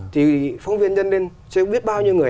thì phóng viên dân lên chứ không biết bao nhiêu người